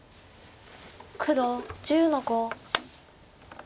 黒１０の五。